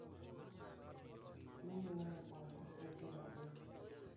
Nonyuolo kode nyithindo adek.